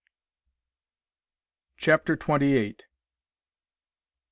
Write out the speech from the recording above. CHAPTER TWENTY EIGHT.